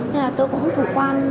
nên là tôi cũng phủ quan